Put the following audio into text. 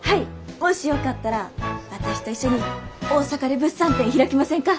もしよかったら私と一緒に大阪で物産展開きませんか？